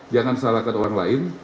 jangan salahkan orang lain